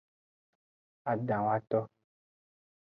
Adahwato.